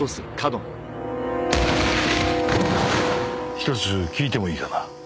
１つ聞いてもいいかな？